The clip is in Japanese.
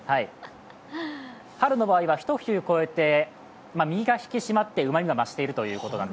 春の場合はひと冬超えて、身が引き締まってうまみが高まっているということ。